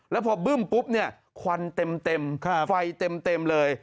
แล้วพอบึ้มปุ๊บเนี่ยควันเต็มไฟเต็มเลย